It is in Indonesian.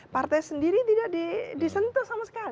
partai sendiri tidak disentuh sama sekali